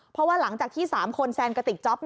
เพราะว่าหลังจากที่๓คนแซนกระติกจ๊อป